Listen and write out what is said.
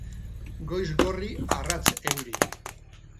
Goiz gorri arrats euri.